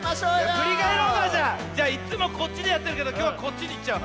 じゃいっつもこっちでやってるけどきょうはこっちにいっちゃう。